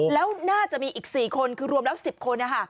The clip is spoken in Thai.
แล้วน่าจะมีอีก๔คนคือรวมแล้ว๑๐คน